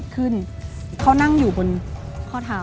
ขึ้นเขานั่งอยู่บนข้อเท้า